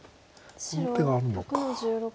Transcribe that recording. この手があるのか。